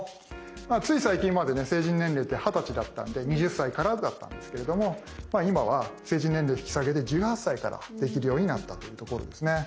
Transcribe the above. つい最近までね成人年齢って二十歳だったんで２０歳からだったんですけれども今は成人年齢引き下げで１８歳からできるようになったというところですね。